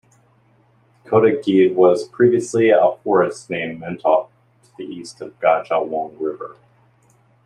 Kotagede was previously a forest named Mentaok, to the east of Gajah Wong River.